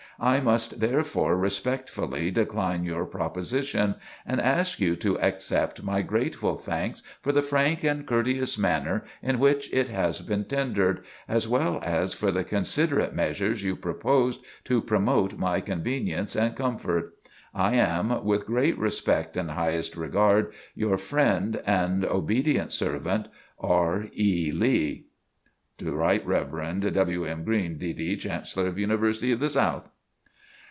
I must therefore respectfully decline your proposition, and ask you to accept my grateful thanks for the frank and courteous manner in which it has been tendered, as well as for the considerate measures you proposed to promote my convenience and comfort. I am, with great respect and highest regard, your friend and obt. servt., R. E. LEE. Rt. Rev'd. WM. M. GREEN, D.D., Chancellor of University of the South.